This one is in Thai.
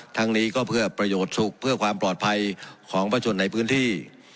ทั้งนี้ก็เพื่อประโยชน์สุขเพื่อความปลอดภัยของประชนในพื้นที่